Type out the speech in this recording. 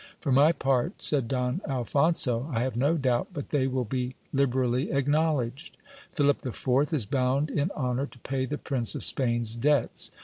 For my part, said Don Alphonso, I have no doubt but they will be liberally acknowledged : Philip the Fourth is bound in honour to pay the Prince of Spain's debts.